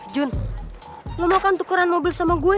jun mau makan tukeran mobil sama gue